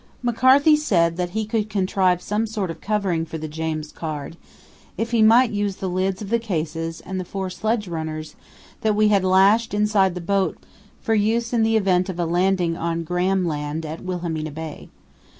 McCarthy said that he could contrive some sort of covering for the James Caird if he might use the lids of the cases and the four sledge runners that we had lashed inside the boat for use in the event of a landing on Graham Land at Wilhelmina Bay.